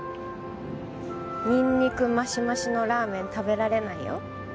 ニンニクマシマシのラーメン食べられないよ。